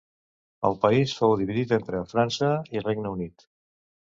El país fou dividit entre França i Regne Unit.